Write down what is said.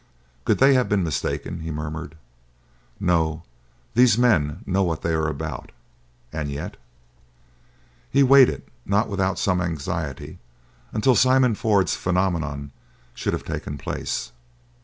"Could they have been mistaken?" he murmured. "No: these men know what they are about. And yet—" He waited, not without some anxiety, until Simon Ford's phenomenon should have taken place.